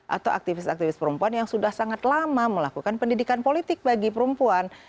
atau aktivis aktivis perempuan yang sudah sangat lama melakukan pendidikan politik bagi perempuan